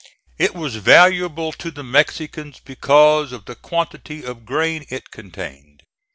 It was valuable to the Mexicans because of the quantity of grain it contained.